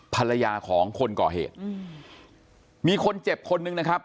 ภรรยาของคนก่อเหตุอืมมีคนเจ็บคนนึงนะครับ